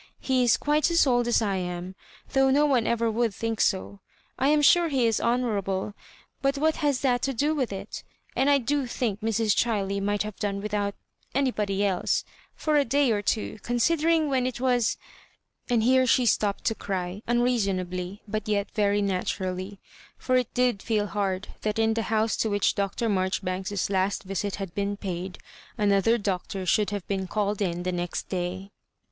He is quite as old as I am, though no one ever would think so. I am sure he is honourable, but what has that to do wiUi it ? And X do think Mr& Chiley might have done without— anybody else: for a day or two, considering when it wa o i '" And here she stopped to cry, unreasonably, but yet very naturally ; for it did feel hard that in tJhe house to which Dr. Marjoribanks's last visit had been paid, another doctor should have been caUed in next day.